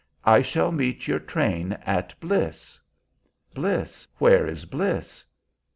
"I shall meet your train at Bliss." "Bliss! Where is Bliss?"